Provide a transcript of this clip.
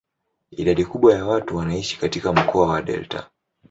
Idadi kubwa ya watu wanaishi katika mkoa wa delta.